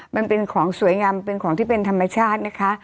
มันเป็นของสวยงามเป็นของที่เป็นธรรมชาตินะคะ